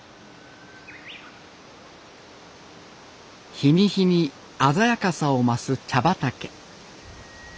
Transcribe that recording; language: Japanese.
日に日に鮮やかさを増す茶畑。